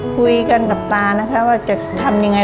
คุยกันกับตานะคะว่าจะทำยังไง